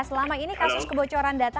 selama ini kasus kebocoran data